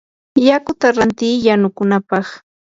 yukata ranti yanukunapaq.